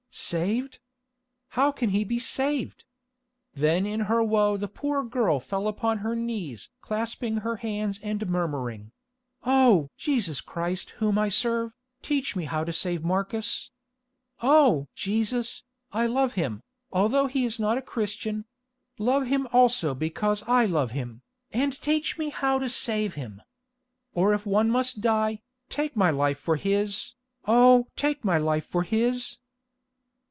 "Saved! How can he be saved?" Then in her woe the poor girl fell upon her knees clasping her hands and murmuring: "Oh! Jesus Christ whom I serve, teach me how to save Marcus. Oh! Jesus, I love him, although he is not a Christian; love him also because I love him, and teach me how to save him. Or if one must die, take my life for his, oh! take my life for his."